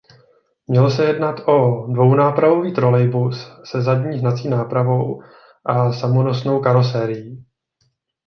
Mělo se jednat o dvounápravový trolejbus se zadní hnací nápravou a samonosnou karoserií.